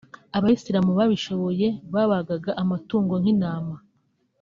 abayisilamu babishoboye babaga amatungo nk’intama